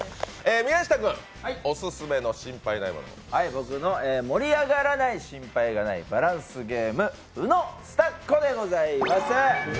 僕の盛り上がらない心配のないバランスゲーム「ウノスタッコ」でございます。